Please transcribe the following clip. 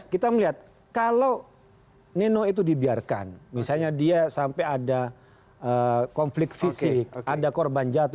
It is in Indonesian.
kita melihat kalau nino itu dibiarkan misalnya dia sampai ada konflik fisik ada korban jatuh